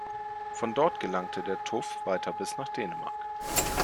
Von dort gelangte der Tuff weiter bis nach Dänemark.